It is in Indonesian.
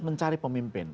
menerus mencari pemimpin